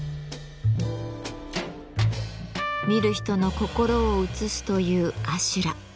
見る人の心を映すという阿修羅。